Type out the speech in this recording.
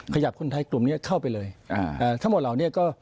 ขยับคนไทยกลุ่มนี้เข้าไปเลยอ่าทั้งหมดเหล่านี้ก็